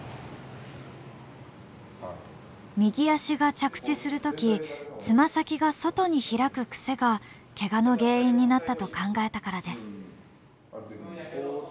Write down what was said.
右足が着地する時爪先が外に開く癖がケガの原因になったと考えたからです。